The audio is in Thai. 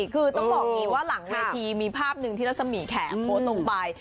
คือต้องบอกงี้ว่าหลังนาทีมีภาพนึงที่ลักษมีแขกโพสต์ตรงปลาย